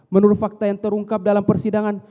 menurut fakta yang terungkap dalam persidangan